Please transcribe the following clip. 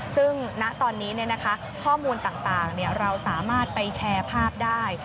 ซึ่งณตอนนี้ข้อมูลต่างเราสามารถไปแชร์ภาพได้